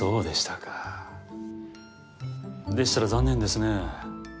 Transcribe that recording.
でしたら残念ですね。